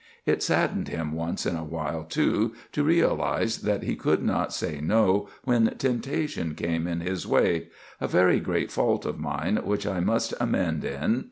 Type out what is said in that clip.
It saddened him once in a while, too, to realize that he could not say "No" when temptation came in his way,—"a very great fault of mine which I must amend in."